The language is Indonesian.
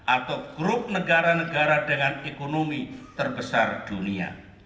atau grup negara negara dengan ekonomi terbesar dunia